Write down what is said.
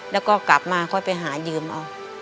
แล้วก็กลับมาค่อยไปหายืมเอา